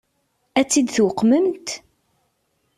Ad tt-id-tuqmemt?